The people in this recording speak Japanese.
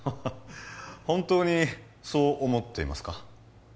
本当にそう思っていますか？